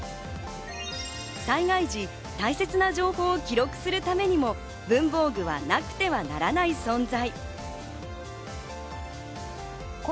災害時、大切な情報を記録するためにも、文房具はなくてはならない存在。